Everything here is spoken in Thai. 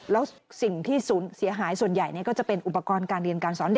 แล้วสิ่งที่ศูนย์เสียหายส่วนใหญ่ก็จะเป็นอุปกรณ์การเรียนการสอนเด็ก